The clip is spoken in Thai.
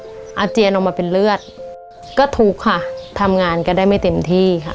อาเจียนออกมาเป็นเลือดก็ทุกข์ค่ะทำงานก็ได้ไม่เต็มที่ค่ะ